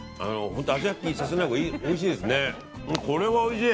味させないほうがおいしいですね。